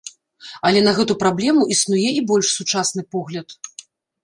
Але на гэту праблему існуе і больш сучасны погляд.